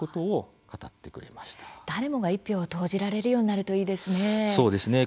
誰もが一票を投じられるようになるといいですね。